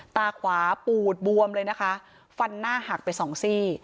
ตาขวาปูดบวมเลยนะคะฟันหน้าหักไปสองซี่